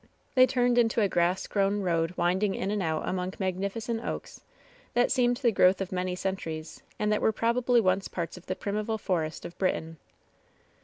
They turned into a grass grown road winding in and out among magnificent oaks that seemed the growth of many centuries, and that were probably once parts of the primeval forest of Britain.